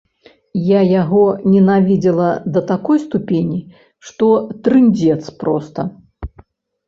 Я яго ненавідзела да такой ступені, што трындзец проста!